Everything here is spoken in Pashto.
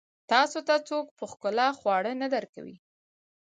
تاسو ته څوک په ښکلا خواړه نه درکوي.